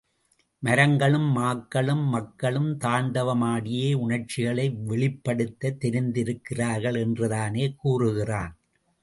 மரங்களும், மாக்களும், மக்களும் தாண்டவம் ஆடியே உணர்ச்சிகளை வெளிப்படுத்த தெரிந்திருக்கிறார்கள் என்று தானே கூறுகிறான்?